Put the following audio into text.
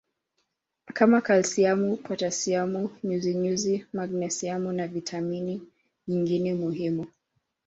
kama kalsiamu potasiamu nyuzinyuzi magnesiamu na vitamini nyingine muhimu